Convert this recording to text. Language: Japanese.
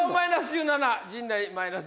１７陣内マイナス